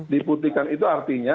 diputihkan itu artinya